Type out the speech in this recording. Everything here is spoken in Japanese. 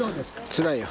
つらいよ。